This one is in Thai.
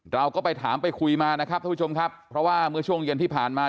เราก็ไปถามไปคุยมานะครับท่านผู้ชมครับเพราะว่าเมื่อช่วงเย็นที่ผ่านมา